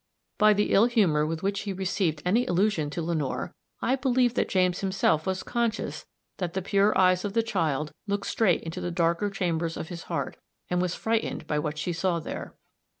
By the ill humor with which he received any allusion to Lenore, I believed that James himself was conscious that the pure eyes of the child looked straight into the darker chambers of his heart, and was frightened by what she saw there.